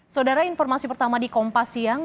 saudara informasi pertama di kompas siang